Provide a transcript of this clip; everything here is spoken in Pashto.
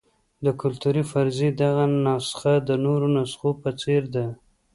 د کلتوري فرضیې دغه نسخه د نورو نسخو په څېر ده.